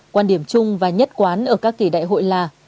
quan điểm chung và nhất quán ở các kỳ đại hội là